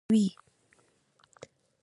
پاچا په لويه ماڼۍ کې ژوند کوي .